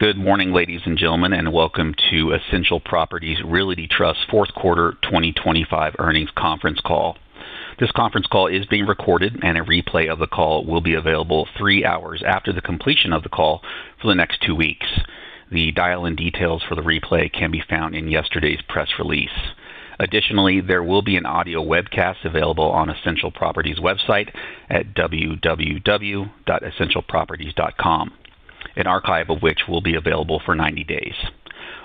Good morning, ladies and gentlemen, and welcome to Essential Properties Realty Trust's fourth quarter 2025 earnings conference call. This conference call is being recorded, and a replay of the call will be available 3 hours after the completion of the call for the next 2 weeks. The dial-in details for the replay can be found in yesterday's press release. Additionally, there will be an audio webcast available on Essential Properties' website at www.essentialproperties.com, an archive of which will be available for 90 days.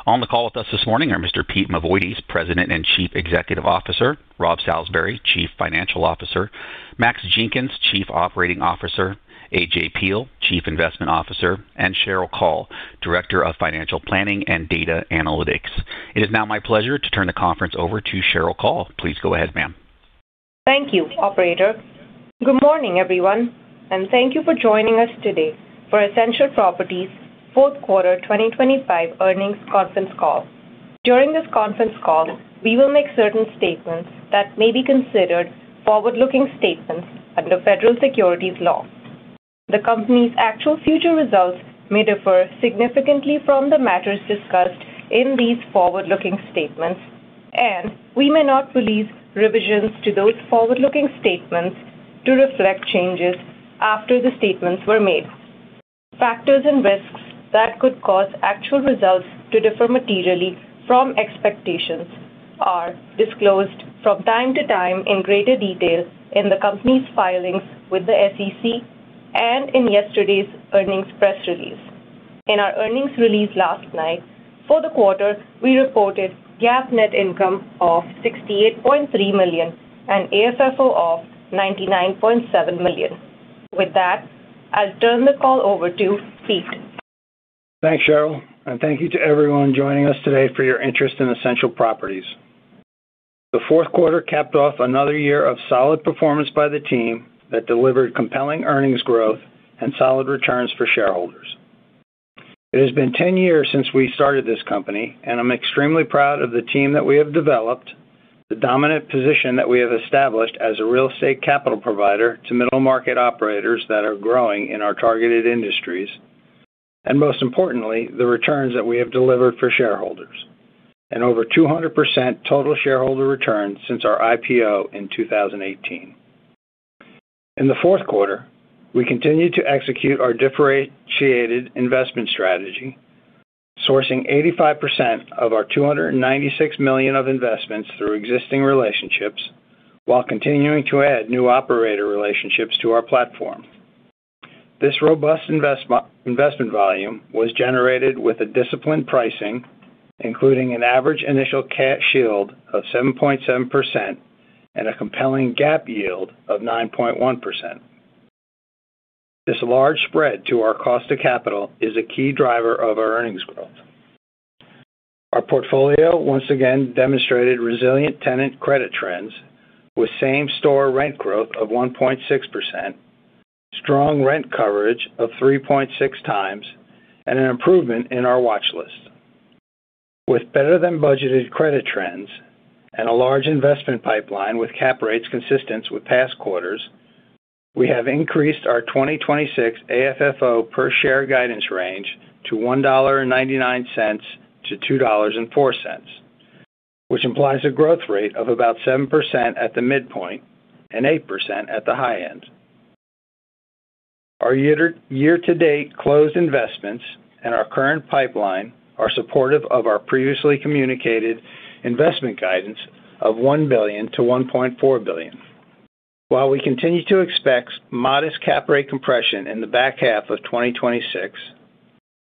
On the call with us this morning are Mr. Pete Mavoides, President and Chief Executive Officer, Rob Salisbury, Chief Financial Officer, Max Jenkins, Chief Operating Officer, AJ Peil, Chief Investment Officer, and Cheryl Kull, Director of Financial Planning and Data Analytics. It is now my pleasure to turn the conference over to Cheryl Kull. Please go ahead, ma'am. Thank you, operator. Good morning, everyone, and thank you for joining us today for Essential Properties' fourth quarter 2025 earnings conference call. During this conference call, we will make certain statements that may be considered forward-looking statements under federal securities law. The company's actual future results may differ significantly from the matters discussed in these forward-looking statements, and we may not release revisions to those forward-looking statements to reflect changes after the statements were made. Factors and risks that could cause actual results to differ materially from expectations are disclosed from time to time in greater detail in the company's filings with the SEC and in yesterday's earnings press release. In our earnings release last night, for the quarter, we reported GAAP net income of $68.3 million and AFFO of $99.7 million. With that, I'll turn the call over to Pete. Thanks, Cheryl, and thank you to everyone joining us today for your interest in Essential Properties. The fourth quarter capped off another year of solid performance by the team that delivered compelling earnings growth and solid returns for shareholders. It has been 10 years since we started this company, and I'm extremely proud of the team that we have developed, the dominant position that we have established as a real estate capital provider to middle-market operators that are growing in our targeted industries, and most importantly, the returns that we have delivered for shareholders, and over 200% total shareholder return since our IPO in 2018. In the fourth quarter, we continued to execute our differentiated investment strategy, sourcing 85% of our $296 million of investments through existing relationships, while continuing to add new operator relationships to our platform. This robust investment volume was generated with a disciplined pricing, including an average initial cash yield of 7.7% and a compelling GAAP yield of 9.1%. This large spread to our cost of capital is a key driver of our earnings growth. Our portfolio once again demonstrated resilient tenant credit trends, with same-store rent growth of 1.6%, strong rent coverage of 3.6 times, and an improvement in our watch list. With better-than-budgeted credit trends and a large investment pipeline, with cap rates consistent with past quarters, we have increased our 2026 AFFO per share guidance range to $1.99-$2.04, which implies a growth rate of about 7% at the midpoint and 8% at the high end. Our year-to-date closed investments and our current pipeline are supportive of our previously communicated investment guidance of $1 billion-$1.4 billion. While we continue to expect modest cap rate compression in the back half of 2026,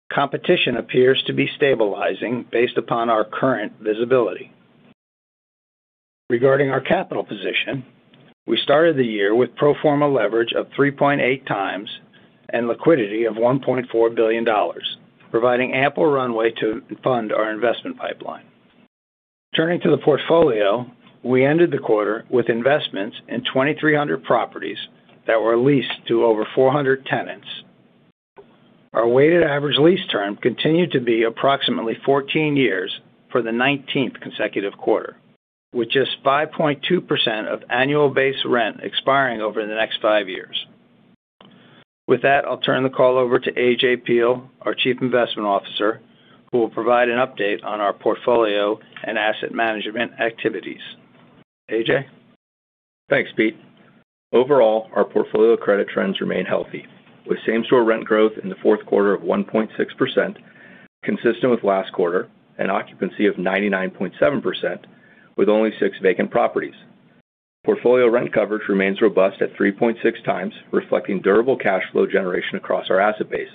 competition appears to be stabilizing based upon our current visibility. Regarding our capital position, we started the year with pro forma leverage of 3.8 times and liquidity of $1.4 billion, providing ample runway to fund our investment pipeline. Turning to the portfolio, we ended the quarter with investments in 2,300 properties that were leased to over 400 tenants. Our weighted average lease term continued to be approximately 14 years for the 19th consecutive quarter, with just 5.2% of annual base rent expiring over the next five years. With that, I'll turn the call over to AJ Peil, our Chief Investment Officer, who will provide an update on our portfolio and asset management activities. AJ? Thanks, Pete. Overall, our portfolio credit trends remain healthy, with same-store rent growth in the fourth quarter of 1.6%, consistent with last quarter, and occupancy of 99.7%, with only 6 vacant properties. Portfolio rent coverage remains robust at 3.6 times, reflecting durable cash flow generation across our asset base.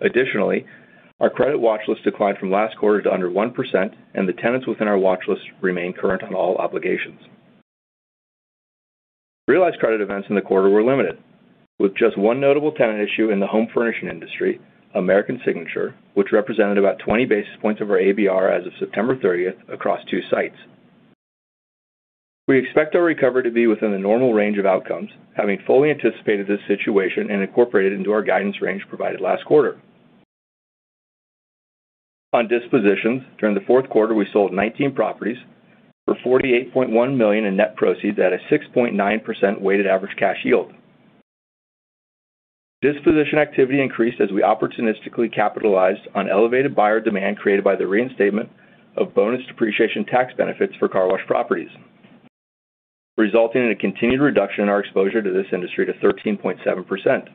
Additionally, our credit watch list declined from last quarter to under 1%, and the tenants within our watch list remain current on all obligations. Realized credit events in the quarter were limited, with just one notable tenant issue in the home furnishing industry, American Signature, which represented about 20 basis points of our ABR as of September 30 across 2 sites. We expect our recovery to be within the normal range of outcomes, having fully anticipated this situation and incorporated it into our guidance range provided last quarter. On dispositions, during the fourth quarter, we sold 19 properties for $48.1 million in net proceeds at a 6.9% weighted average cash yield. Disposition activity increased as we opportunistically capitalized on elevated buyer demand created by the reinstatement of bonus depreciation tax benefits for car wash properties, resulting in a continued reduction in our exposure to this industry to 13.7%.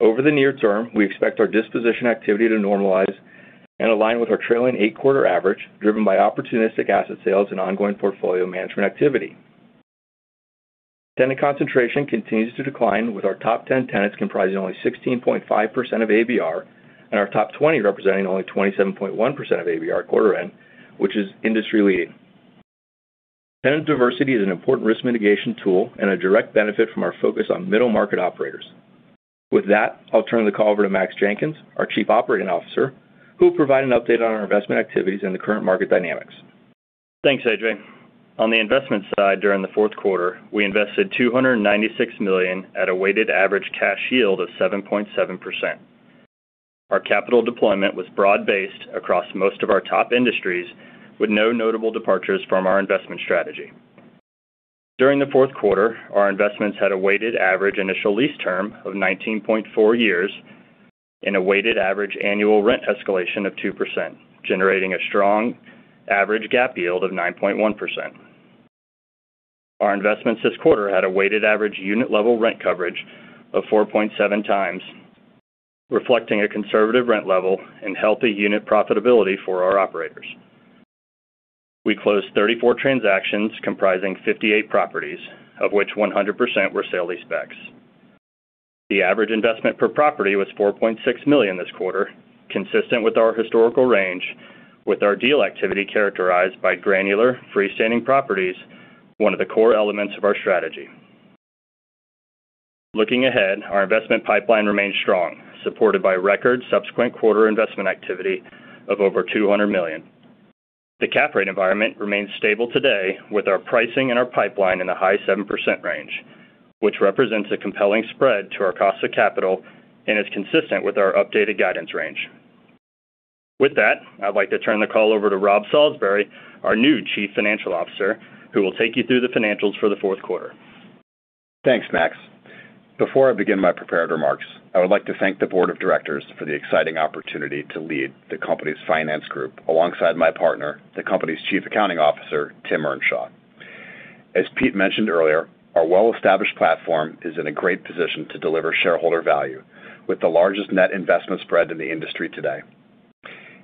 Over the near term, we expect our disposition activity to normalize and align with our trailing eight-quarter average, driven by opportunistic asset sales and ongoing portfolio management activity. Tenant concentration continues to decline, with our top 10 tenants comprising only 16.5% of ABR, and our top 20 representing only 27.1% of ABR quarter end, which is industry-leading. Tenant diversity is an important risk mitigation tool and a direct benefit from our focus on middle-market operators. With that, I'll turn the call over to Max Jenkins, our Chief Operating Officer, who will provide an update on our investment activities and the current market dynamics. Thanks, AJ. On the investment side, during the fourth quarter, we invested $296 million at a weighted average cash yield of 7.7%. Our capital deployment was broad-based across most of our top industries, with no notable departures from our investment strategy. During the fourth quarter, our investments had a weighted average initial lease term of 19.4 years and a weighted average annual rent escalation of 2%, generating a strong average gap yield of 9.1%. Our investments this quarter had a weighted average unit-level rent coverage of 4.7 times, reflecting a conservative rent level and healthy unit profitability for our operators. We closed 34 transactions comprising 58 properties, of which 100% were sale-leasebacks. The average investment per property was $4.6 million this quarter, consistent with our historical range, with our deal activity characterized by granular, freestanding properties, one of the core elements of our strategy. Looking ahead, our investment pipeline remains strong, supported by record subsequent quarter investment activity of over $200 million. The cap rate environment remains stable today, with our pricing and our pipeline in the high 7% range, which represents a compelling spread to our cost of capital and is consistent with our updated guidance range. With that, I'd like to turn the call over to Rob Salisbury, our new Chief Financial Officer, who will take you through the financials for the fourth quarter. Thanks, Max. Before I begin my prepared remarks, I would like to thank the board of directors for the exciting opportunity to lead the company's finance group alongside my partner, the company's Chief Accounting Officer, Tim Earnshaw. As Pete mentioned earlier, our well-established platform is in a great position to deliver shareholder value, with the largest net investment spread in the industry today.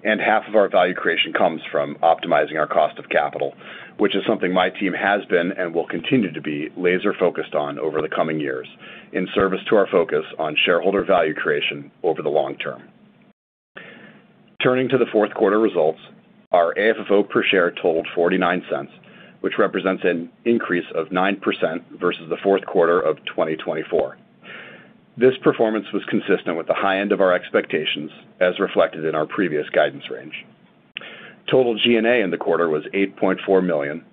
And half of our value creation comes from optimizing our cost of capital, which is something my team has been, and will continue to be, laser-focused on over the coming years, in service to our focus on shareholder value creation over the long term. Turning to the fourth quarter results, our AFFO per share totaled $0.49, which represents an increase of 9% versus the fourth quarter of 2024. This performance was consistent with the high end of our expectations, as reflected in our previous guidance range. Total G&A in the quarter was $8.4 million,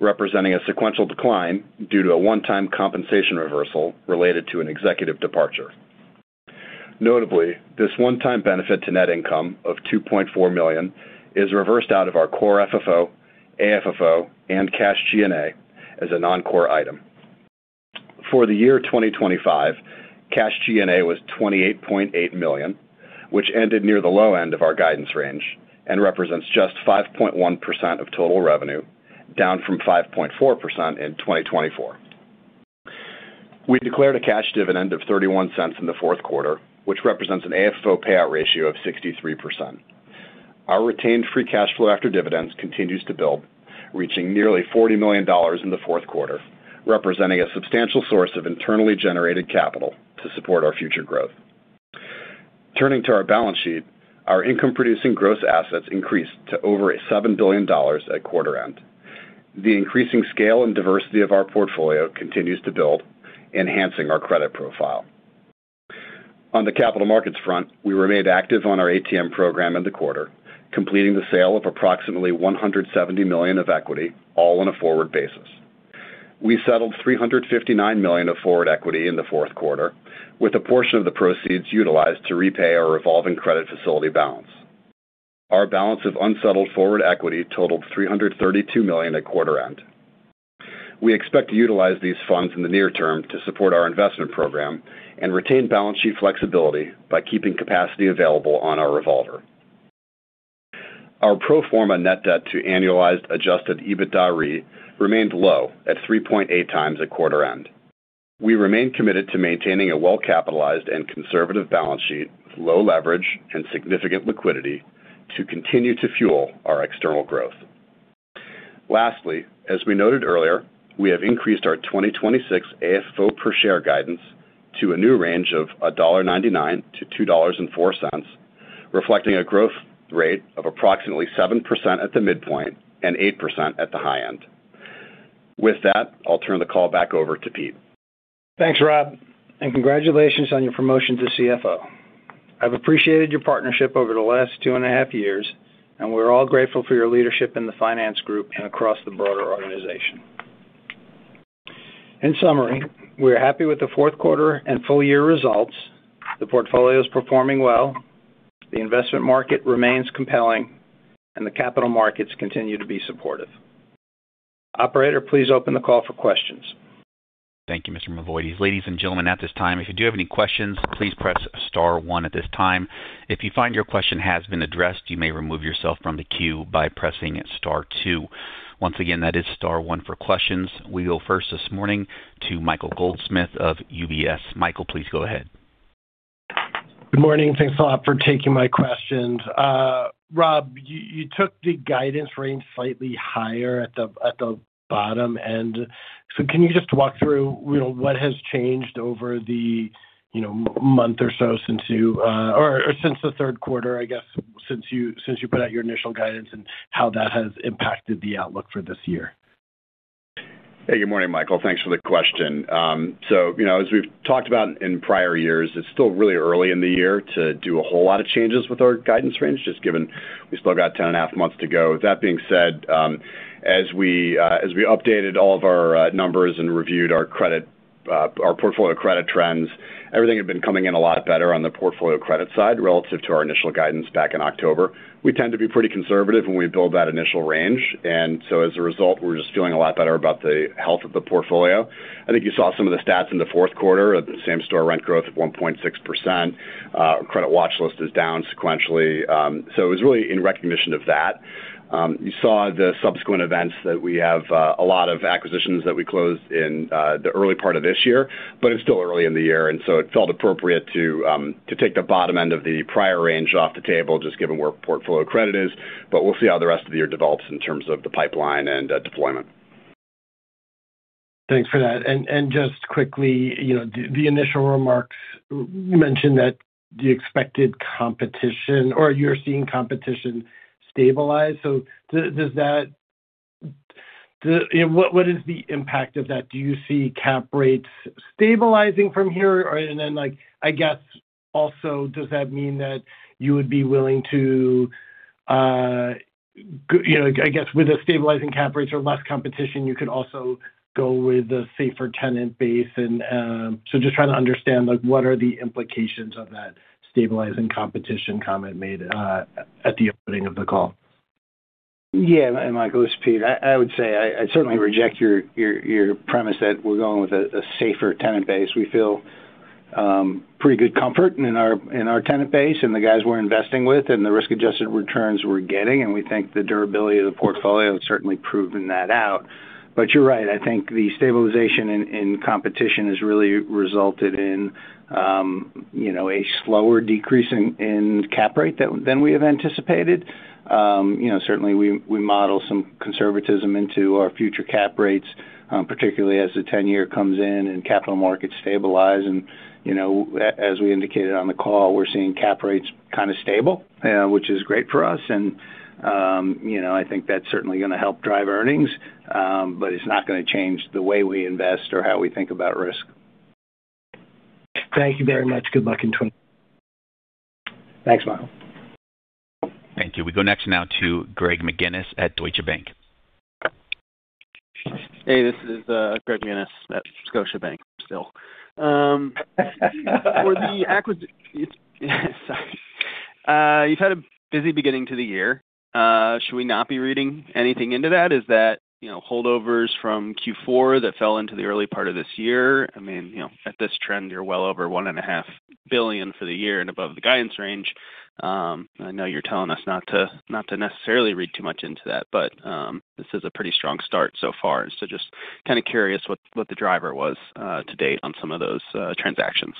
representing a sequential decline due to a one-time compensation reversal related to an executive departure. Notably, this one-time benefit to net income of $2.4 million is reversed out of our Core FFO, AFFO, and cash G&A as a non-core item. For the year 2025, cash G&A was $28.8 million, which ended near the low end of our guidance range and represents just 5.1% of total revenue, down from 5.4% in 2024. We declared a cash dividend of $0.31 in the fourth quarter, which represents an AFFO payout ratio of 63%. Our retained free cash flow after dividends continues to build, reaching nearly $40 million in the fourth quarter, representing a substantial source of internally generated capital to support our future growth. Turning to our balance sheet, our income-producing gross assets increased to over $7 billion at quarter end. The increasing scale and diversity of our portfolio continues to build, enhancing our credit profile. On the capital markets front, we remained active on our ATM program in the quarter, completing the sale of approximately $170 million of equity, all on a forward basis. We settled $359 million of forward equity in the fourth quarter, with a portion of the proceeds utilized to repay our revolving credit facility balance. Our balance of unsettled forward equity totaled $332 million at quarter end. We expect to utilize these funds in the near term to support our investment program and retain balance sheet flexibility by keeping capacity available on our revolver. Our pro forma net debt to annualized adjusted EBITDA RE remained low at 3.8 times at quarter end. We remain committed to maintaining a well-capitalized and conservative balance sheet with low leverage and significant liquidity to continue to fuel our external growth. Lastly, as we noted earlier, we have increased our 2026 AFFO per share guidance to a new range of $1.99-$2.04, reflecting a growth rate of approximately 7% at the midpoint and 8% at the high end. With that, I'll turn the call back over to Pete. Thanks, Rob, and congratulations on your promotion to CFO. I've appreciated your partnership over the last two and a half years, and we're all grateful for your leadership in the finance group and across the broader organization. ...In summary, we are happy with the fourth quarter and full year results. The portfolio is performing well, the investment market remains compelling, and the capital markets continue to be supportive. Operator, please open the call for questions. Thank you, Mr. Mavoides. Ladies and gentlemen, at this time, if you do have any questions, please press star one at this time. If you find your question has been addressed, you may remove yourself from the queue by pressing star two. Once again, that is star one for questions. We go first this morning to Michael Goldsmith of UBS. Michael, please go ahead. Good morning, thanks a lot for taking my questions. Rob, you took the guidance range slightly higher at the bottom end. So can you just walk through, you know, what has changed over the, you know, month or so since you or since the third quarter, I guess, since you put out your initial guidance and how that has impacted the outlook for this year? Hey, good morning, Michael. Thanks for the question. So, you know, as we've talked about in prior years, it's still really early in the year to do a whole lot of changes with our guidance range, just given we still got 10.5 months to go. That being said, as we updated all of our numbers and reviewed our credit, our portfolio credit trends, everything had been coming in a lot better on the portfolio credit side, relative to our initial guidance back in October. We tend to be pretty conservative when we build that initial range, and so as a result, we're just feeling a lot better about the health of the portfolio. I think you saw some of the stats in the fourth quarter of the same store rent growth of 1.6%. Credit Watch List is down sequentially. So it was really in recognition of that. You saw the subsequent events that we have a lot of acquisitions that we closed in the early part of this year, but it's still early in the year, and so it felt appropriate to take the bottom end of the prior range off the table, just given where portfolio credit is. But we'll see how the rest of the year develops in terms of the pipeline and deployment. Thanks for that. And just quickly, you know, the initial remarks, you mentioned that the expected competition or you're seeing competition stabilize. So does that... What is the impact of that? Do you see cap rates stabilizing from here? Or, and then, like, I guess, also, does that mean that you would be willing to, you know, I guess, with the stabilizing cap rates or less competition, you could also go with a safer tenant base and, so just trying to understand, like, what are the implications of that stabilizing competition comment made at the opening of the call? Yeah, and Michael, this is Pete. I would say I certainly reject your premise that we're going with a safer tenant base. We feel pretty good comfort in our tenant base and the guys we're investing with and the risk-adjusted returns we're getting, and we think the durability of the portfolio has certainly proven that out. But you're right, I think the stabilization in competition has really resulted in you know, a slower decrease in cap rate than we have anticipated. You know, certainly we model some conservatism into our future cap rates, particularly as the ten-year comes in and capital markets stabilize. And, you know, as we indicated on the call, we're seeing cap rates kind of stable, which is great for us. You know, I think that's certainly going to help drive earnings, but it's not going to change the way we invest or how we think about risk. Thank you very much. Good luck in 2020. Thanks, Michael. Thank you. We go next now to Greg McGinnis at Scotiabank. Hey, this is Greg McGinnis at Scotiabank, still. For the acquisitions. Sorry. You've had a busy beginning to the year. Should we not be reading anything into that? Is that, you know, holdovers from Q4 that fell into the early part of this year? I mean, you know, at this trend, you're well over $1.5 billion for the year and above the guidance range. I know you're telling us not to necessarily read too much into that, but this is a pretty strong start so far. So just kind of curious what the driver was to date on some of those transactions.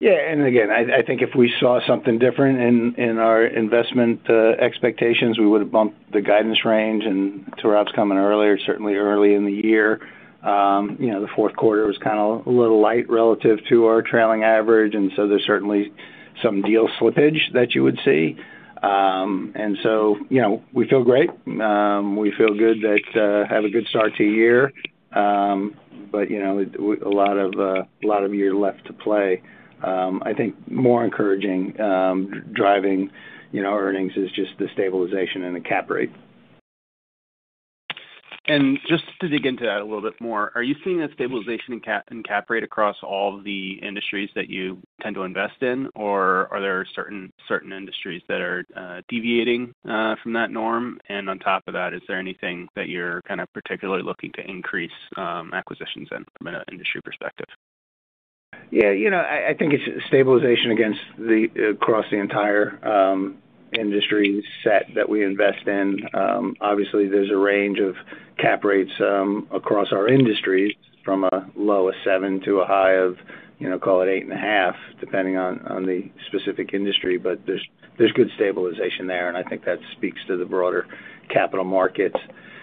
Yeah, and again, I think if we saw something different in our investment expectations, we would have bumped the guidance range. And to Rob's comment earlier, certainly early in the year, you know, the fourth quarter was kind of a little light relative to our trailing average, and so there's certainly some deal slippage that you would see. And so, you know, we feel great. We feel good that we have a good start to the year. But, you know, we have a lot of year left to play. I think more encouraging driving you know earnings is just the stabilization and the cap rate. Just to dig into that a little bit more, are you seeing that stabilization in cap rate across all the industries that you tend to invest in, or are there certain industries that are deviating from that norm? And on top of that, is there anything that you're kind of particularly looking to increase acquisitions in from an industry perspective? Yeah, you know, I think it's stabilization against the, across the entire industry set that we invest in. Obviously, there's a range of cap rates across our industries, from a low of 7 to a high of, you know, call it 8.5, depending on the specific industry. But there's good stabilization there, and I think that speaks to the broader capital markets.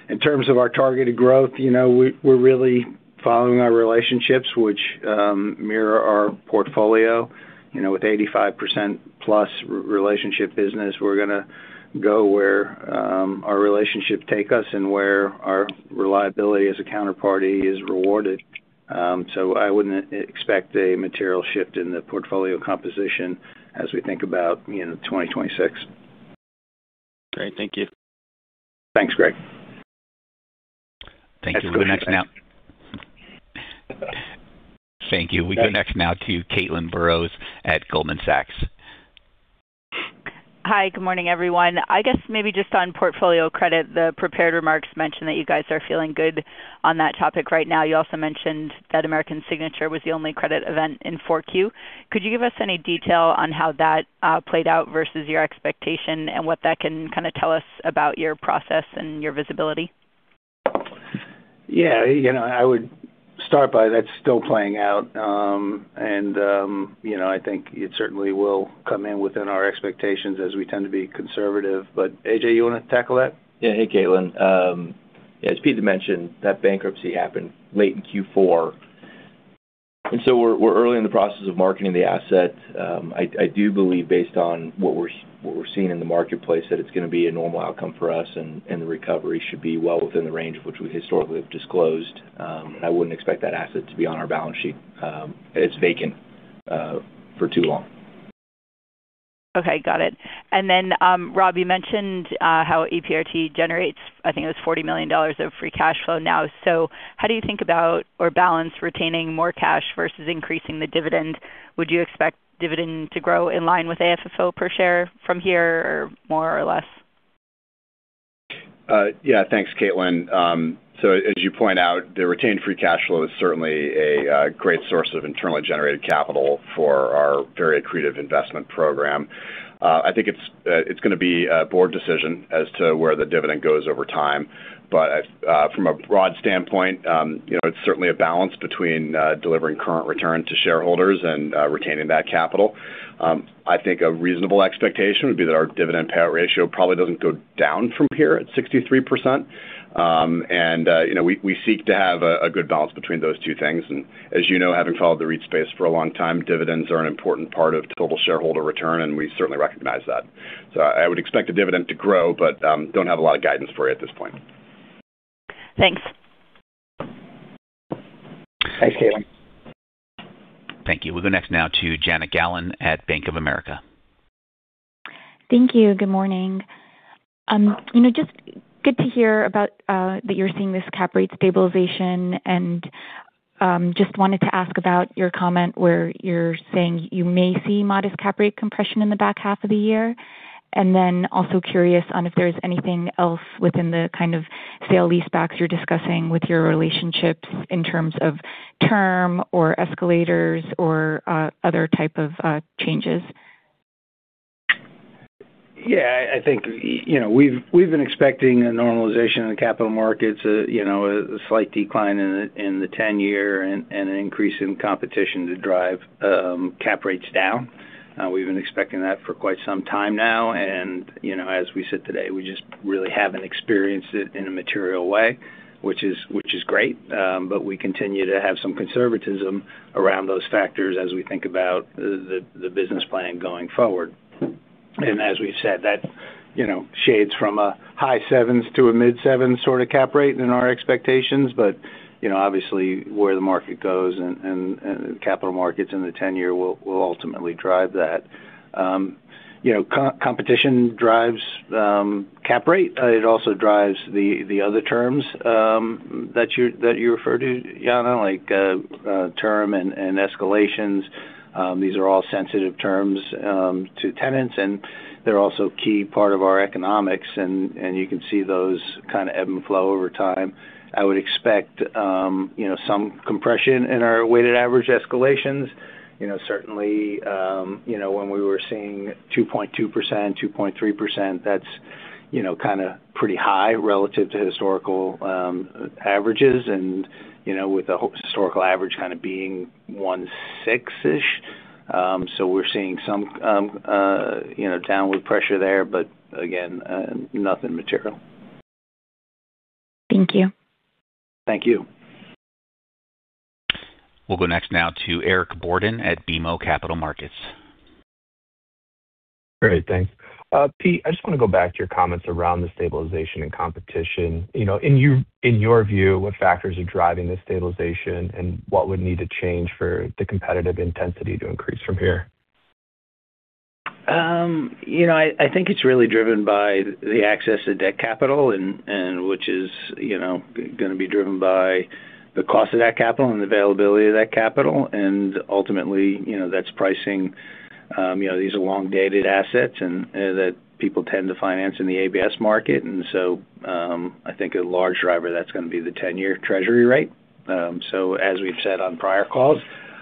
In terms of our targeted growth, you know, we're really following our relationships, which mirror our portfolio. You know, with 85% plus relationship business, we're going to go where our relationships take us and where our reliability as a counterparty is rewarded. So I wouldn't expect a material shift in the portfolio composition as we think about, you know, 2026. Great. Thank you. Thanks, Greg. Thank you. We'll go next now. Thank you. We go next now to Caitlin Burrows at Goldman Sachs. Hi, good morning, everyone. I guess maybe just on portfolio credit, the prepared remarks mentioned that you guys are feeling good on that topic right now. You also mentioned that American Signature was the only credit event in Q4. Could you give us any detail on how that played out versus your expectation and what that can kind of tell us about your process and your visibility? Yeah, you know, I would start by. That's still playing out. You know, I think it certainly will come in within our expectations as we tend to be conservative. But AJ, you want to tackle that? Yeah. Hey, Caitlin. As Pete mentioned, that bankruptcy happened late in Q4, and so we're early in the process of marketing the asset. I do believe, based on what we're seeing in the marketplace, that it's going to be a normal outcome for us, and the recovery should be well within the range of which we historically have disclosed. I wouldn't expect that asset to be on our balance sheet as vacant for too long. Okay, got it. And then, Rob, you mentioned how EPRT generates, I think it was $40 million of free cash flow now. So how do you think about or balance retaining more cash versus increasing the dividend? Would you expect dividend to grow in line with AFFO per share from here, or more, or less? Yeah, thanks, Caitlin. So as you point out, the retained free cash flow is certainly a great source of internally generated capital for our very accretive investment program. I think it's, it's going to be a board decision as to where the dividend goes over time. But from a broad standpoint, you know, it's certainly a balance between delivering current return to shareholders and retaining that capital. I think a reasonable expectation would be that our dividend payout ratio probably doesn't go down from here at 63%. And you know, we seek to have a good balance between those two things. And as you know, having followed the REIT space for a long time, dividends are an important part of total shareholder return, and we certainly recognize that. I would expect the dividend to grow, but don't have a lot of guidance for you at this point. Thanks. Thanks, Caitlin. Thank you. We'll go next now to Jana Galan at Bank of America. Thank you. Good morning. You know, just good to hear about that you're seeing this cap rate stabilization. And just wanted to ask about your comment where you're saying you may see modest cap rate compression in the back half of the year. And then also curious on if there's anything else within the kind of sale-leasebacks you're discussing with your relationships in terms of term or escalators or other type of changes. Yeah, I think, you know, we've been expecting a normalization in the capital markets, you know, a slight decline in the 10-year and an increase in competition to drive cap rates down. We've been expecting that for quite some time now, and, you know, as we sit today, we just really haven't experienced it in a material way, which is great. But we continue to have some conservatism around those factors as we think about the business plan going forward. And as we've said, that, you know, shades from a high sevens to a mid-sevens sort of cap rate in our expectations. But, you know, obviously, where the market goes and capital markets in the 10-year will ultimately drive that. You know, competition drives cap rate. It also drives the other terms that you referred to, Jana, like term and escalations. These are all sensitive terms to tenants, and they're also a key part of our economics, and you can see those kind of ebb and flow over time. I would expect you know, some compression in our weighted average escalations. You know, certainly you know, when we were seeing 2.2%, 2.3%, that's you know, kind of pretty high relative to historical averages, and you know, with the historical average kind of being 1.6-ish. So we're seeing some you know, downward pressure there, but again nothing material. Thank you. Thank you. We'll go next now to Eric Borden at BMO Capital Markets. Great. Thanks. Pete, I just want to go back to your comments around the stabilization and competition. You know, in your, in your view, what factors are driving this stabilization, and what would need to change for the competitive intensity to increase from here? You know, I think it's really driven by the access to debt capital and which is, you know, going to be driven by the cost of that capital and the availability of that capital. And ultimately, you know, that's pricing. You know, these are long-dated assets and that people tend to finance in the ABS market. And so, I think a large driver that's going to be the 10-year treasury rate. So as we've said on prior calls,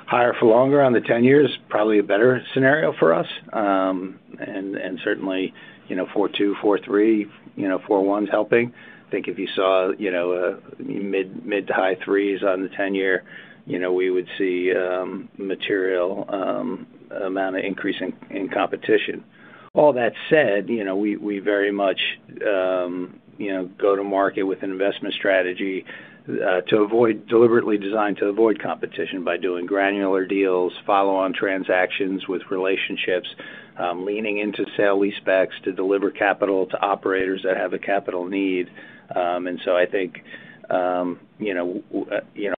higher for longer on the 10-year is probably a better scenario for us. And certainly, you know, 4.2, 4.3, you know, 4.1's helping. I think if you saw, you know, a mid- to high 3s on the 10-year, you know, we would see material amount of increase in competition. All that said, you know, we very much, you know, go to market with an investment strategy to avoid, deliberately designed to avoid competition by doing granular deals, follow-on transactions with relationships, leaning into sale-leasebacks to deliver capital to operators that have a capital need. And so I think, you know, you know,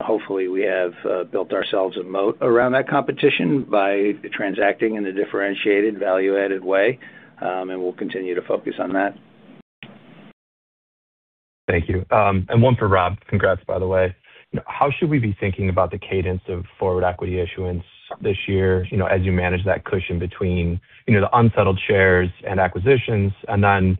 hopefully, we have built ourselves a moat around that competition by transacting in a differentiated, value-added way, and we'll continue to focus on that. Thank you. And one for Rob. Congrats, by the way. How should we be thinking about the cadence of forward equity issuance this year, you know, as you manage that cushion between, you know, the unsettled shares and acquisitions? And then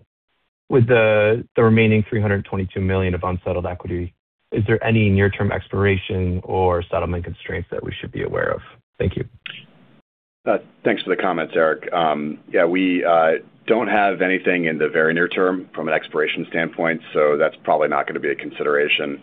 with the remaining $322 million of unsettled equity, is there any near-term expiration or settlement constraints that we should be aware of? Thank you. Thanks for the comments, Eric. Yeah, we don't have anything in the very near term from an expiration standpoint, so that's probably not gonna be a consideration.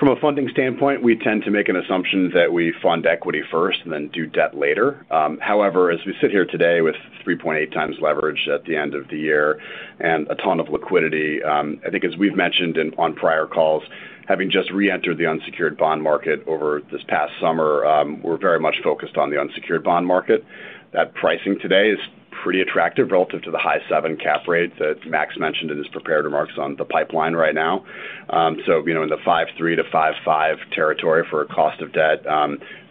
From a funding standpoint, we tend to make an assumption that we fund equity first and then do debt later. However, as we sit here today with 3.8x leverage at the end of the year and a ton of liquidity, I think as we've mentioned on prior calls, having just reentered the unsecured bond market over this past summer, we're very much focused on the unsecured bond market. That pricing today is pretty attractive relative to the high-7 cap rate that Max mentioned in his prepared remarks on the pipeline right now. So, you know, in the 5.3%-5.5% territory for a cost of debt,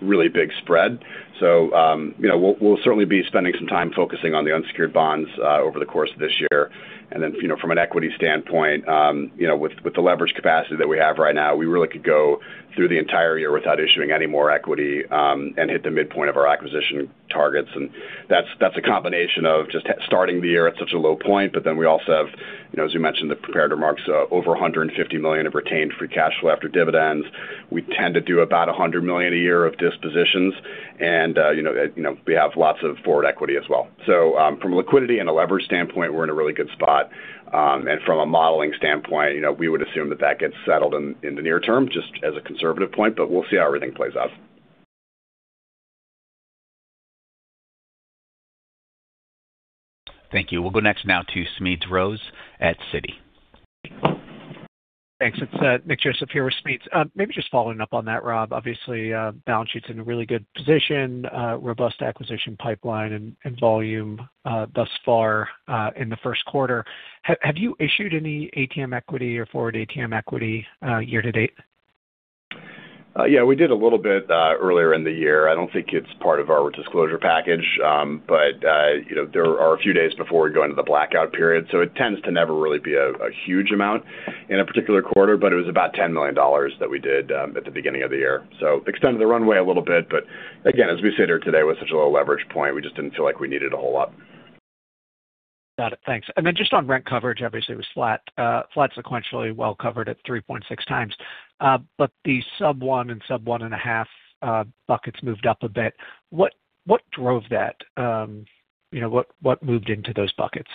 really big spread. So, you know, we'll certainly be spending some time focusing on the unsecured bonds over the course of this year. And then, you know, from an equity standpoint, you know, with the leverage capacity that we have right now, we really could go through the entire year without issuing any more equity, and hit the midpoint of our acquisition targets. And that's a combination of just starting the year at such a low point. But then we also have, you know, as you mentioned, the prepared remarks, over $150 million of retained free cash flow after dividends. We tend to do about $100 million a year of dispositions. You know, you know, we have lots of forward equity as well. So, from a liquidity and a leverage standpoint, we're in a really good spot. And from a modeling standpoint, you know, we would assume that that gets settled in the near term, just as a conservative point, but we'll see how everything plays out. Thank you. We'll go next now to Smedes Rose at Citi. Thanks. It's Nick Joseph here with Smedes Rose. Maybe just following up on that, Rob. Obviously, balance sheet's in a really good position, robust acquisition pipeline and volume thus far in the first quarter. Have you issued any ATM equity or forward ATM equity year to date? Yeah, we did a little bit earlier in the year. I don't think it's part of our disclosure package, but you know, there are a few days before we go into the blackout period, so it tends to never really be a huge amount in a particular quarter, but it was about $10 million that we did at the beginning of the year. So extended the runway a little bit, but again, as we sit here today with such a low leverage point, we just didn't feel like we needed a whole lot. Got it. Thanks. And then just on rent coverage, obviously, it was flat sequentially, well covered at 3.6 times. But the sub-1x and sub-1.5x buckets moved up a bit. What drove that? You know, what moved into those buckets?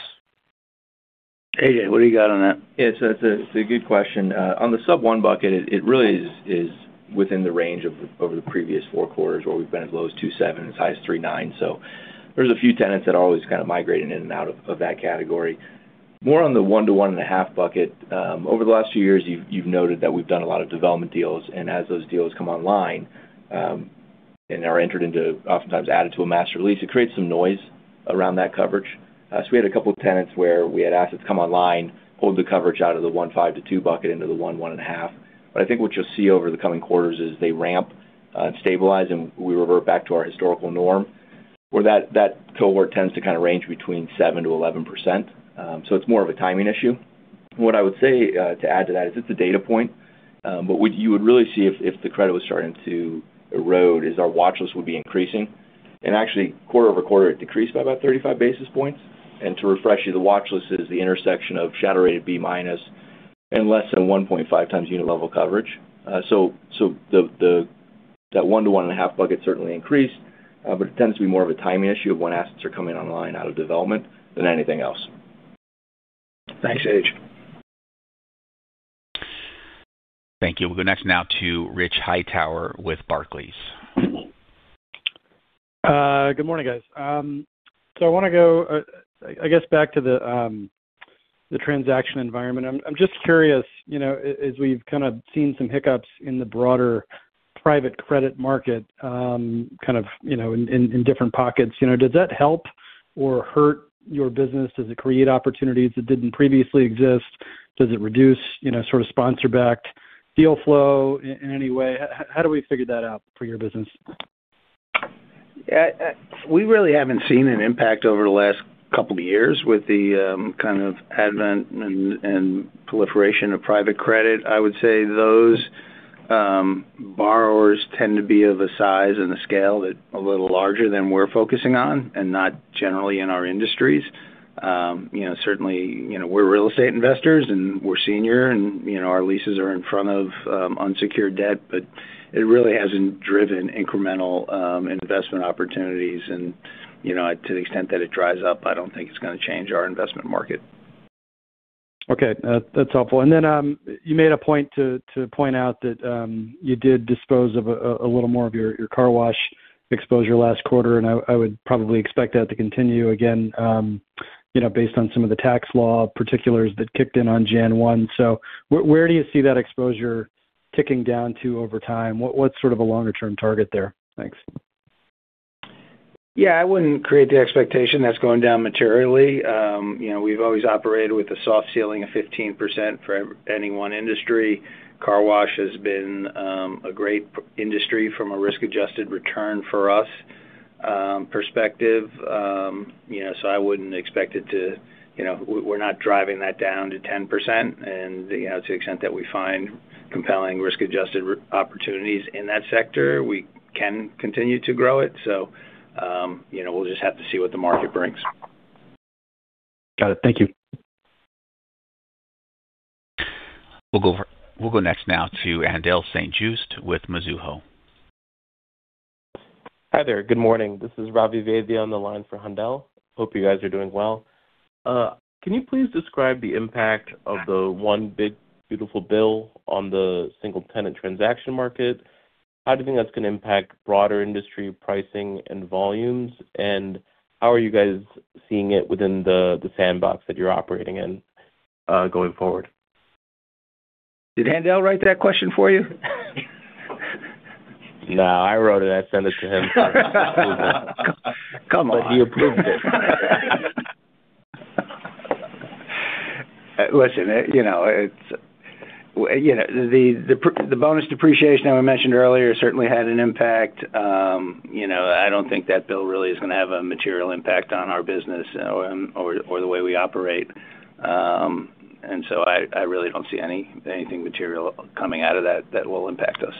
AJ, what do you got on that? Yeah, so it's a good question. On the sub-1 bucket, it really is within the range over the previous four quarters, where we've been as low as 2.7, as high as 3.9. So there's a few tenants that are always kind of migrating in and out of that category. More on the 1-1.5 bucket, over the last few years, you've noted that we've done a lot of development deals, and as those deals come online and are entered into, oftentimes added to a master lease, it creates some noise around that coverage. So we had a couple of tenants where we had assets come online, pulled the coverage out of the 1.5-2 bucket into the 1-1.5. But I think what you'll see over the coming quarters is they ramp, and stabilize, and we revert back to our historical norm, where that, that cohort tends to kind of range between 7%-11%. So it's more of a timing issue. What I would say, to add to that is it's a data point, but what you would really see if, if the credit was starting to erode, is our Watch List would be increasing. And actually, quarter-over-quarter, it decreased by about 35 basis points. And to refresh you, the Watch List is the intersection of shadow rate B-minus and less than 1.5 times unit level coverage. So, the 1-1.5 bucket certainly increased, but it tends to be more of a timing issue of when assets are coming online out of development than anything else. Thanks, AJ. Thank you. We'll go next now to Rich Hightower with Barclays. Good morning, guys. So I wanna go, I guess, back to the transaction environment. I'm just curious, you know, as we've kind of seen some hiccups in the broader private credit market, kind of, you know, in different pockets, you know, does that help or hurt your business? Does it create opportunities that didn't previously exist? Does it reduce, you know, sort of sponsor-backed deal flow in any way? How do we figure that out for your business? We really haven't seen an impact over the last couple of years with the kind of advent and proliferation of private credit. I would say those borrowers tend to be of a size and a scale that's a little larger than we're focusing on and not generally in our industries. You know, certainly, you know, we're real estate investors, and we're senior, and, you know, our leases are in front of unsecured debt, but it really hasn't driven incremental investment opportunities. You know, to the extent that it dries up, I don't think it's gonna change our investment market. Okay. That's helpful. And then you made a point to point out that you did dispose of a little more of your car wash exposure last quarter, and I would probably expect that to continue again, you know, based on some of the tax law particulars that kicked in on January 1. So where do you see that exposure ticking down to over time? What's sort of a longer-term target there? Thanks. Yeah, I wouldn't create the expectation that's going down materially. You know, we've always operated with a soft ceiling of 15% for any one industry. Car wash has been a great industry from a risk-adjusted return for us perspective. You know, so I wouldn't expect it to, you know, we're not driving that down to 10%. And, you know, to the extent that we find compelling risk-adjusted opportunities in that sector, we can continue to grow it. So, you know, we'll just have to see what the market brings. Got it. Thank you. We'll go next now to Haendal St. Juste with Mizuho. Hi there. Good morning. This is Ravi Vaidya on the line for Haendel. Hope you guys are doing well. Can you please describe the impact of the one big beautiful bill on the single-tenant transaction market? How do you think that's going to impact broader industry pricing and volumes, and how are you guys seeing it within the sandbox that you're operating in, going forward? Did Haendel write that question for you? No, I wrote it. I sent it to him. Come on. But he approved it. Listen, you know, it's you know, the bonus depreciation that we mentioned earlier certainly had an impact. You know, I don't think that bill really is going to have a material impact on our business or the way we operate. And so I really don't see anything material coming out of that that will impact us.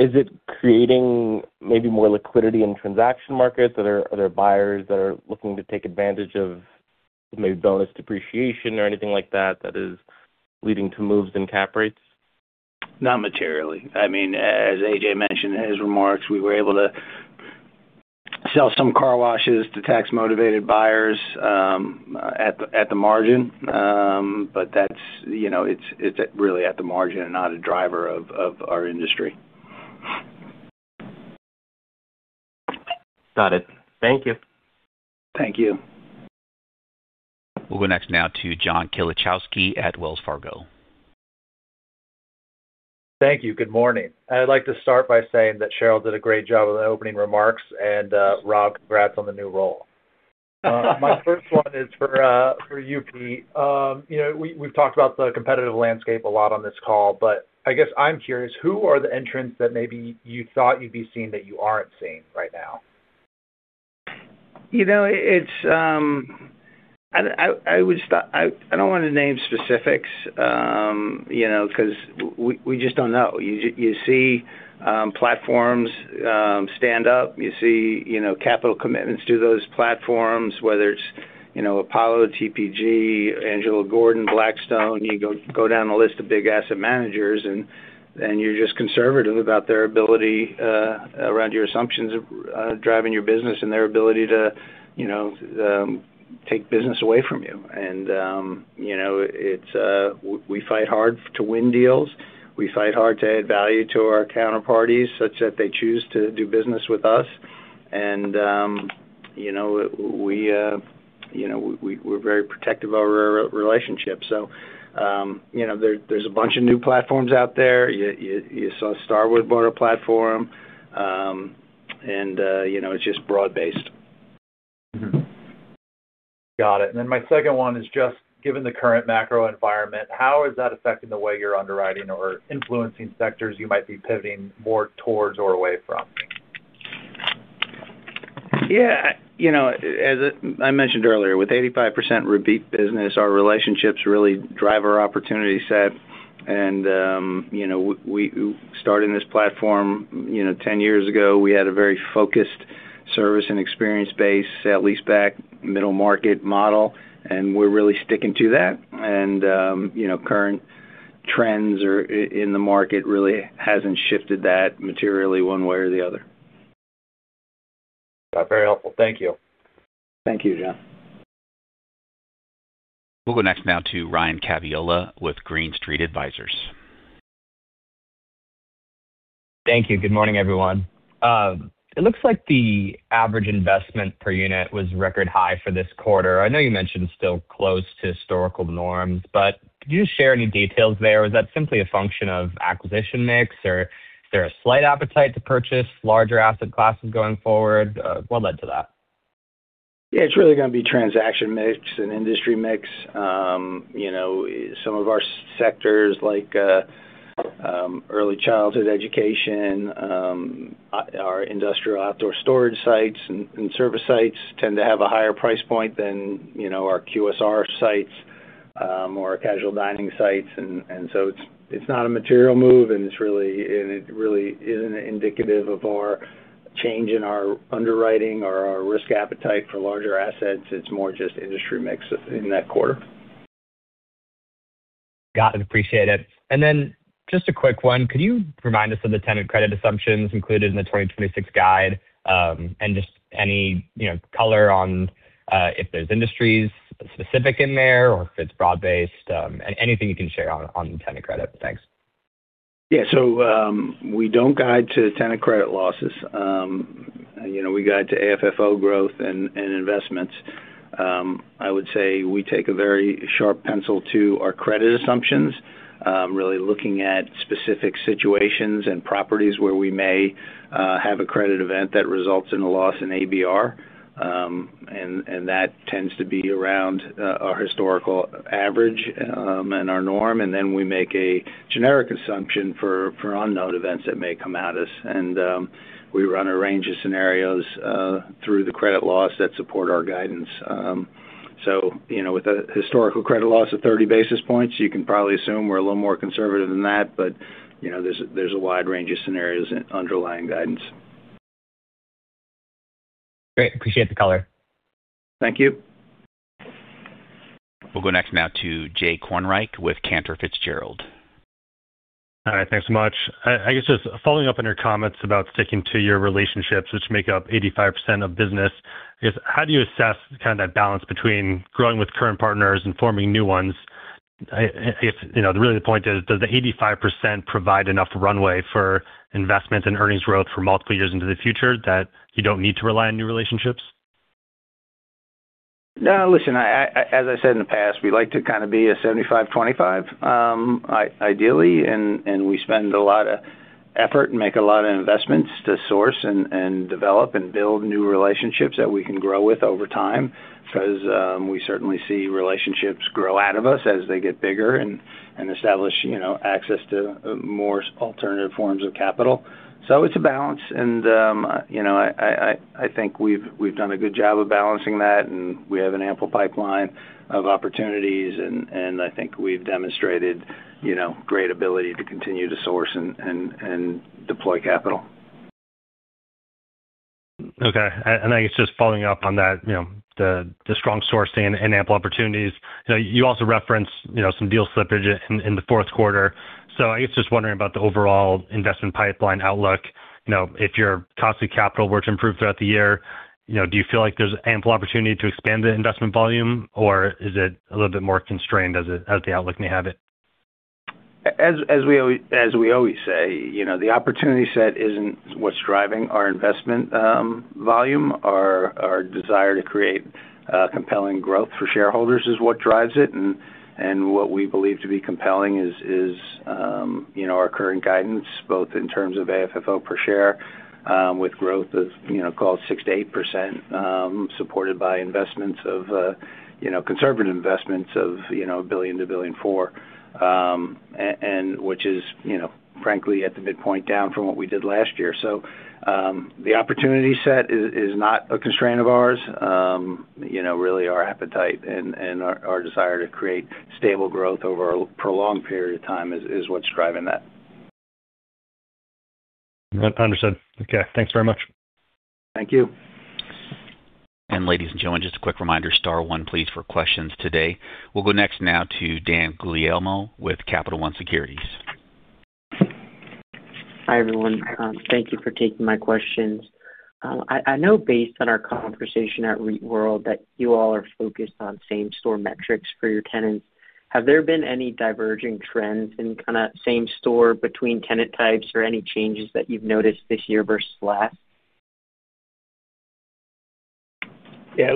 Is it creating maybe more liquidity in transaction markets? Are there buyers that are looking to take advantage of maybe bonus depreciation or anything like that, that is leading to moves in cap rates? Not materially. I mean, as AJ mentioned in his remarks, we were able to sell some car washes to tax-motivated buyers at the margin. But that's, you know, it's really at the margin and not a driver of our industry. Got it. Thank you. Thank you. We'll go next now to John Kilichowski at Wells Fargo. Thank you. Good morning. I'd like to start by saying that Cheryl did a great job on the opening remarks, and Rob, congrats on the new role. My first one is for you, Pete. You know, we've talked about the competitive landscape a lot on this call, but I guess I'm curious, who are the entrants that maybe you thought you'd be seeing, that you aren't seeing right now? You know, it's, I would start—I don't want to name specifics, you know, because we just don't know. You see platforms stand up, you see, you know, capital commitments to those platforms, whether it's, you know, Apollo, TPG, Angelo Gordon, Blackstone. You go down the list of big asset managers, and you're just conservative about their ability around your assumptions of driving your business and their ability to, you know, take business away from you. And, you know, it's we fight hard to win deals. We fight hard to add value to our counterparties such that they choose to do business with us. And, you know, we, you know, we, we're very protective of our relationship. So, you know, there, there's a bunch of new platforms out there. You saw Starwood bought a platform, and you know, it's just broad-based. Mm-hmm. Got it. And then my second one is just, given the current macro environment, how is that affecting the way you're underwriting or influencing sectors you might be pivoting more towards or away from? Yeah, you know, as I mentioned earlier, with 85% repeat business, our relationships really drive our opportunity set. And, you know, we starting this platform, you know, 10 years ago, we had a very focused service and experience base, leaseback, middle-market model, and we're really sticking to that. And, you know, current trends in the market really hasn't shifted that materially one way or the other. Very helpful. Thank you. Thank you, John. We'll go next now to Ryan Cagliari with Green Street Advisors. Thank you. Good morning, everyone. It looks like the average investment per unit was record high for this quarter. I know you mentioned still close to historical norms, but could you share any details there? Was that simply a function of acquisition mix, or is there a slight appetite to purchase larger asset classes going forward? What led to that? Yeah, it's really going to be transaction mix and industry mix. You know, some of our sectors, like, early childhood education, our industrial outdoor storage sites and service sites, tend to have a higher price point than, you know, our QSR sites, or our casual dining sites. And so it's not a material move, and it's really, and it really isn't indicative of our change in our underwriting or our risk appetite for larger assets. It's more just industry mix in that quarter. Got it. Appreciate it. And then just a quick one. Could you remind us of the tenant credit assumptions included in the 2026 guide? And just any, you know, color on, if there's industries specific in there or if it's broad-based, anything you can share on, on tenant credit. Thanks. Yeah. So, we don't guide to tenant credit losses. You know, we guide to AFFO growth and investments. I would say we take a very sharp pencil to our credit assumptions, really looking at specific situations and properties where we may have a credit event that results in a loss in ABR. And that tends to be around our historical average and our norm, and then we make a generic assumption for unknown events that may come at us. And we run a range of scenarios through the credit loss that support our guidance. So, you know, with a historical credit loss of 30 basis points, you can probably assume we're a little more conservative than that, but you know, there's a wide range of scenarios in underlying guidance. Great. Appreciate the color. Thank you. We'll go next now to Jay Kornreich with Cantor Fitzgerald. All right, thanks so much. I guess just following up on your comments about sticking to your relationships, which make up 85% of business, I guess, how do you assess kind of that balance between growing with current partners and forming new ones? If, you know, really the point is, does the 85% provide enough runway for investment and earnings growth for multiple years into the future that you don't need to rely on new relationships? No, listen, as I said in the past, we like to kind of be a 75-25 ideally, and we spend a lot of effort and make a lot of investments to source and develop and build new relationships that we can grow with over time. Because we certainly see relationships grow out of us as they get bigger and establish, you know, access to more alternative forms of capital. So it's a balance, and you know, I think we've done a good job of balancing that, and we have an ample pipeline of opportunities, and I think we've demonstrated, you know, great ability to continue to source and deploy capital. Okay. And I guess just following up on that, you know, the strong sourcing and ample opportunities. You know, you also referenced, you know, some deal slippage in the fourth quarter. So I guess just wondering about the overall investment pipeline outlook, you know, if your cost of capital were to improve throughout the year, you know, do you feel like there's ample opportunity to expand the investment volume, or is it a little bit more constrained as the outlook may have it? As we always say, you know, the opportunity set isn't what's driving our investment volume. Our desire to create compelling growth for shareholders is what drives it, and what we believe to be compelling is, you know, our current guidance, both in terms of AFFO per share, with growth of, you know, call it 6%-8%, supported by investments of, you know, conservative investments of, you know, $1 billion-$1.4 billion. And which is, you know, frankly, at the midpoint, down from what we did last year. So, the opportunity set is not a constraint of ours. You know, really our appetite and our desire to create stable growth over a prolonged period of time is what's driving that. Understood. Okay. Thanks very much. Thank you. Ladies and gentlemen, just a quick reminder, star one, please, for questions today. We'll go next now to Dan Guglielmo with Capital One Securities. Hi, everyone. Thank you for taking my questions. I know based on our conversation at REITworld, that you all are focused on same-store metrics for your tenants. Have there been any diverging trends in kind of same-store between tenant types or any changes that you've noticed this year versus last? Yeah,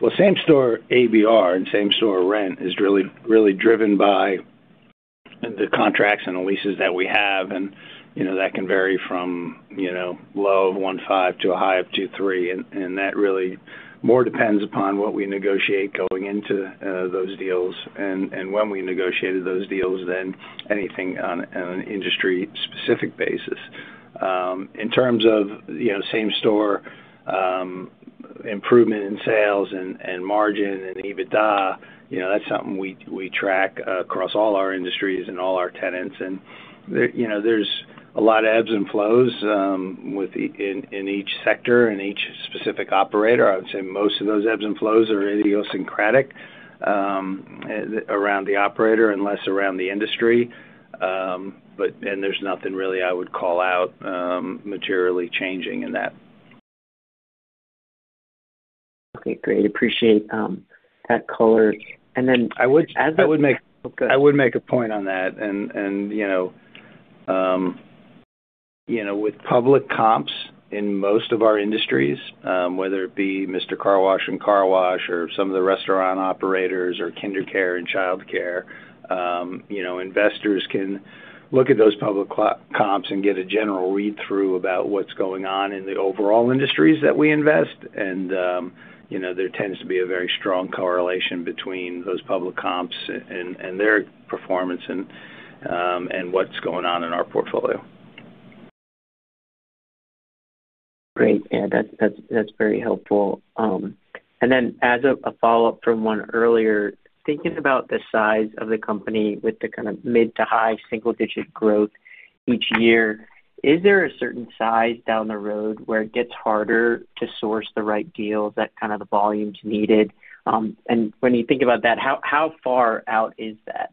well, same-store ABR and same-store rent is really, really driven by the contracts and the leases that we have, and, you know, that can vary from, you know, low of 1.5 to a high of 2.3. And that really more depends upon what we negotiate going into those deals and when we negotiated those deals than anything on an industry-specific basis. In terms of, you know, same-store, improvement in sales and margin and EBITDA, you know, that's something we track across all our industries and all our tenants. And there, you know, there's a lot of ebbs and flows with in each sector and each specific operator. I would say most of those ebbs and flows are idiosyncratic around the operator and less around the industry. But, there's nothing really I would call out, materially changing in that. Okay, great. Appreciate that color. And then- I would make- Okay. I would make a point on that. You know, with public comps in most of our industries, whether it be Mister Car Wash and car wash or some of the restaurant operators or KinderCare and childcare, you know, investors can look at those public comps and get a general read-through about what's going on in the overall industries that we invest. You know, there tends to be a very strong correlation between those public comps and their performance and what's going on in our portfolio. Great. Yeah, that's very helpful. And then as a follow-up from one earlier, thinking about the size of the company with the kind of mid- to high single-digit growth each year, is there a certain size down the road where it gets harder to source the right deals, that kind of the volumes needed? And when you think about that, how far out is that?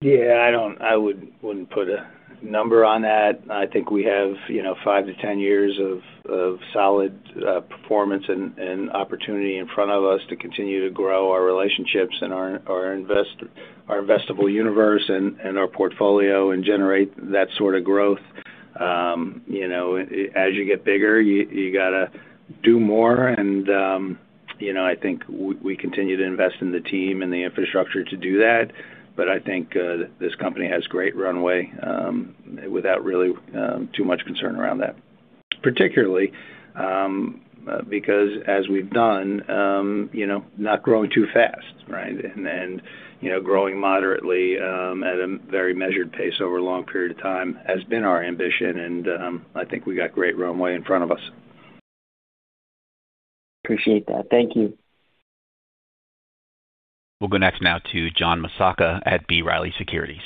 Yeah, I wouldn't put a number on that. I think we have, you know, 5-10 years of solid performance and opportunity in front of us to continue to grow our relationships and our investable universe and our portfolio and generate that sort of growth. You know, as you get bigger, you gotta do more. And you know, I think we continue to invest in the team and the infrastructure to do that, but I think this company has great runway without really too much concern around that. Particularly, because as we've done, you know, not growing too fast, right? And, you know, growing moderately at a very measured pace over a long period of time has been our ambition, and I think we've got great runway in front of us. Appreciate that. Thank you. We'll go next now to John Massocca at B. Riley Securities.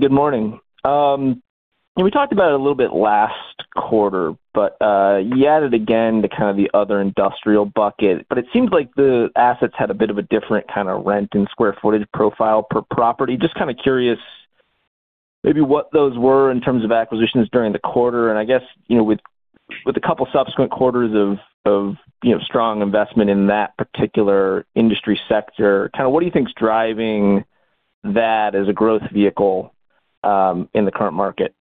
Good morning. We talked about it a little bit last quarter, but you added again to kind of the other industrial bucket. But it seems like the assets had a bit of a different kind of rent and square footage profile per property. Just kind of curious maybe what those were in terms of acquisitions during the quarter. And I guess, you know, with a couple of subsequent quarters of you know, strong investment in that particular industry sector, kind of what do you think is driving that as a growth vehicle, in the current market?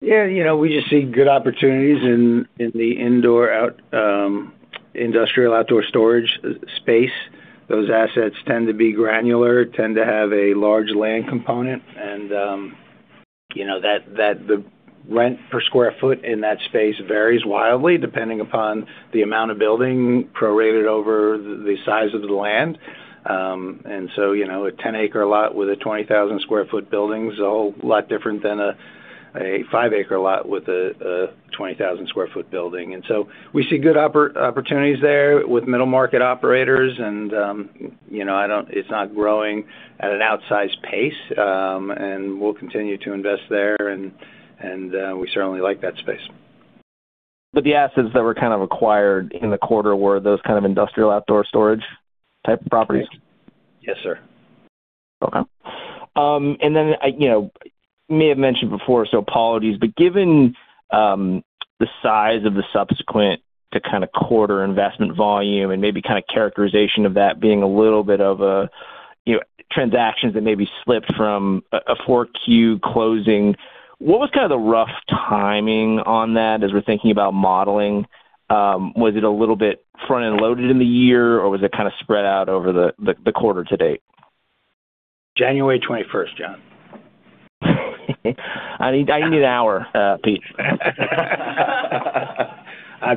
Yeah, you know, we just see good opportunities in the industrial outdoor storage space. Those assets tend to be granular, tend to have a large land component, and, you know, that the rent per square foot in that space varies wildly, depending upon the amount of building prorated over the size of the land. And so, you know, a 10-acre lot with a 20,000 sq ft building is a whole lot different than a five-acre lot with a 20,000 sq ft building. And so we see good opportunities there with middle-market operators, and, you know, I don't. It's not growing at an outsized pace. And we'll continue to invest there, and we certainly like that space. The assets that were kind of acquired in the quarter were those kind of industrial outdoor storage type properties? Yes, sir. Okay. And then, I, you know, may have mentioned before, so apologies, but given the size of the subsequent to kind of quarter investment volume and maybe kind of characterization of that being a little bit of a, you know, transactions that maybe slipped from a 4Q closing, what was kind of the rough timing on that as we're thinking about modeling? Was it a little bit front-end loaded in the year, or was it kind of spread out over the quarter to date? January twenty-first, John. I need, I need an hour, please. I'm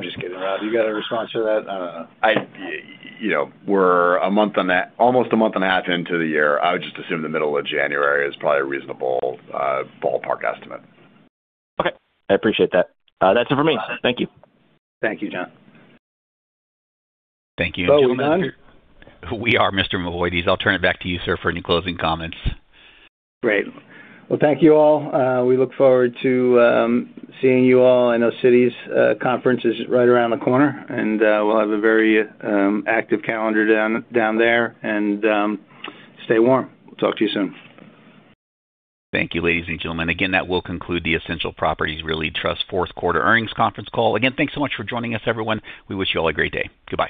just kidding. Rob, you got a response to that? You know, we're a month on that, almost a month and a half into the year. I would just assume the middle of January is probably a reasonable ballpark estimate. Okay, I appreciate that. That's it for me. Thank you. Thank you, John. Thank you. So we're done? We are, Mr. Mavoides. I'll turn it back to you, sir, for any closing comments. Great. Well, thank you, all. We look forward to seeing you all. I know Citi's Conference is right around the corner, and we'll have a very active calendar down there. Stay warm. Talk to you soon. Thank you, ladies and gentlemen. Again, that will conclude the Essential Properties Realty Trust fourth quarter earnings conference call. Again, thanks so much for joining us, everyone. We wish you all a great day. Goodbye.